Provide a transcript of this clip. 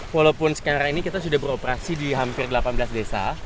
walaupun sekarang ini kita sudah beroperasi di hampir delapan belas desa